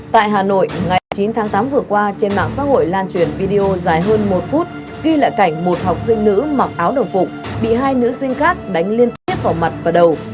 tại hà nội ngày chín tháng tám vừa qua trên mạng xã hội lan truyền video dài hơn một phút ghi lại cảnh một học sinh nữ mặc áo đồng phụng bị hai nữ sinh khác đánh liên tiếp vào mặt và đầu